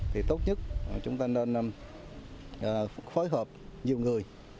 thì tốt nhất chúng ta nên phối hợp nhiều người